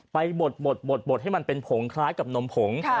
ไปบดให้มันเป็นผงแค่กับนมผง